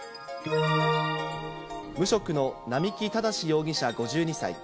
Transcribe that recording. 無職の並木正容疑者５２歳。